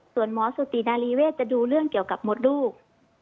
ส่วนหมอสุตินารีเวศจะดูเรื่องเกี่ยวกับมดลูก